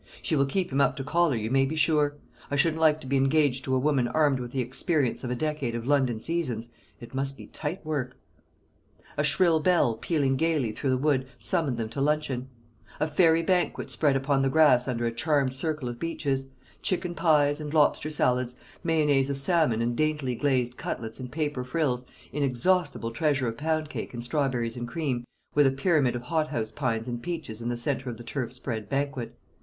She will keep him up to collar, you maybe sure. I shouldn't like to be engaged to a woman armed with the experience of a decade of London seasons. It must be tight work!" A shrill bell, pealing gaily through the wood, summoned them to luncheon; a fairy banquet spread upon the grass under a charmed circle of beeches; chicken pies and lobster salads, mayonaise of salmon and daintily glazed cutlets in paper frills, inexhaustible treasure of pound cake and strawberries and cream, with a pyramid of hothouse pines and peaches in the centre of the turf spread banquet.